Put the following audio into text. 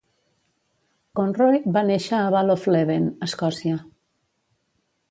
Conroy va néixer a Val of Leven, Escòcia.